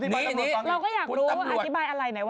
อธิบายให้ตำรวจฟังเราก็อยากรู้ว่าอธิบายอะไรไหนวะ